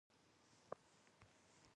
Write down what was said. شېخ بُستان په قوم بړیڅ وو.